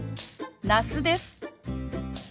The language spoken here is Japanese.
那須です。